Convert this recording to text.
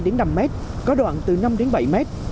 lỡ trung bình từ ba năm mét có đoạn từ năm bảy mét